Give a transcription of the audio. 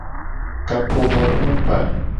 Kapomonomba.